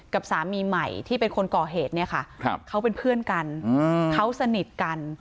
กับสามีใหม่ที่เป็นคนก่อเหตุเนี่ยค่ะเขาเป็นเพื่อนกันเขาสนิทกัน